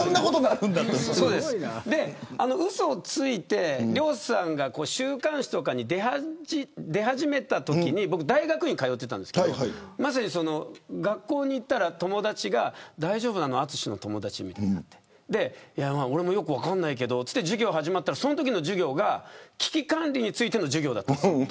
うそをついて亮さんが週刊誌とかに出始めたときに僕、大学院に通っていたんですけど学校に行ったら友達が大丈夫なの淳の友達みたいになって俺も、よく分かんないけどって授業が始まったらそのときの授業が危機管理についての授業だったんです。